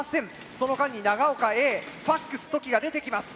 その間に長岡Ａ「Ｆａｘとき」が出てきます。